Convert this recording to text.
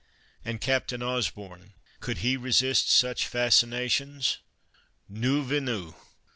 And Captain Osborn, could he resist such fas cinations ? Nous venous.